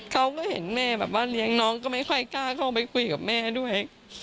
เขาก็เห็นแม่แบบว่าเลี้ยงน้องก็ไม่ค่อยกล้าเข้าไปคุยกับแม่ด้วย